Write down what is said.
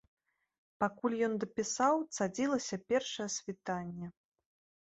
Пакуль ён дапісаў, цадзілася першае світанне.